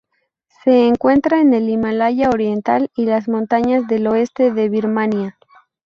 Se encuentra en el Himalaya oriental y las montañas del oeste de Birmania.